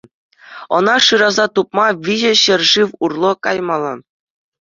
Ӑна шыраса тупма виҫӗ ҫӗршыв урлӑ каймалла.